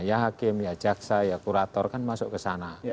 ya hakim ya jaksa ya kurator kan masuk ke sana